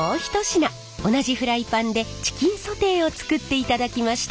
同じフライパンでチキンソテーを作っていただきました！